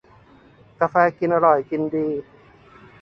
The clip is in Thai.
กาแฟกินอร่อยกินดี